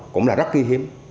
cũng là rất khi hiếm